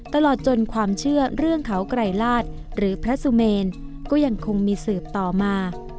ตลอดจนความเชื่อเรื่องเขาไกรลาศหรือพระสุเมนก็ยังคงมีสืบต่อมา